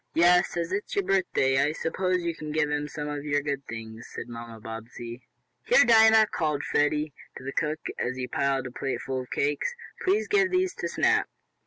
"Yes, as it is your birthday, I suppose you can give him some of your good things," said Mamma Bobbsey. "Here, Dinah!" called Freddie to the cook, as he piled a plate full of cakes. "Please give these to Snap."